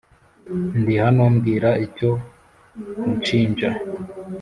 ndihano mbwira icyo unshinja